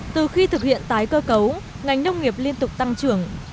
từ khi thực hiện tái cơ cấu ngành nông nghiệp liên tục tăng trưởng